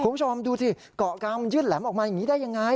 คุณผู้ชมดูสิเกาะกลางมันยื่นแหลมออกมาอย่างนี้ได้ยังไง